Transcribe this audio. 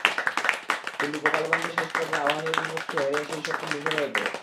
কিন্তু গোপালগঞ্জে শেষ পর্বে আবাহনীর বিপক্ষে হেরেই সেই স্বপ্ন ধূসর হয়ে পড়ে।